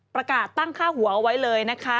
ประกาศตั้งค่าหัวเอาไว้เลยนะคะ